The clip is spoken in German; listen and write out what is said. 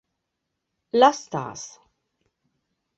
Laß das!